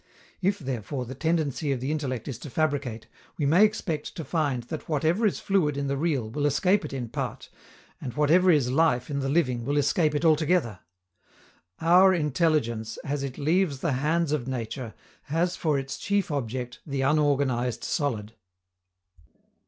If, therefore, the tendency of the intellect is to fabricate, we may expect to find that whatever is fluid in the real will escape it in part, and whatever is life in the living will escape it altogether. _Our intelligence, as it leaves the hands of nature, has for its chief object the unorganized solid.